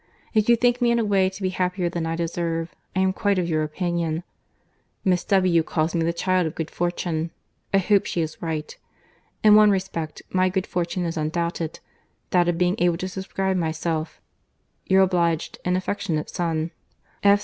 —If you think me in a way to be happier than I deserve, I am quite of your opinion.—Miss W. calls me the child of good fortune. I hope she is right.—In one respect, my good fortune is undoubted, that of being able to subscribe myself, Your obliged and affectionate Son, F.